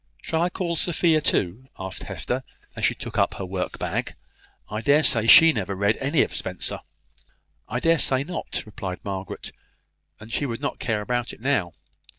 "Shall I call Sophia too?" asked Hester, as she took up her work bag. "I dare say she never read any of Spenser." "I dare say not," replied Margaret; "and she would not care about it now.